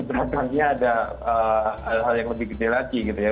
tentu di permukaannya ada hal hal yang lebih kecil lagi gitu ya